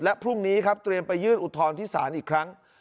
และพรุ่งนี้ครับเตรียมไปยื่นอุทธรณ์ที่ศาลอีกครั้ง